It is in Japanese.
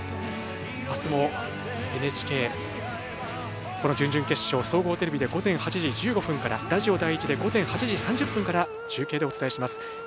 あすもＮＨＫ準々決勝、総合テレビで午前８時１５分からラジオ第１で８時３０分から中継でお伝えします。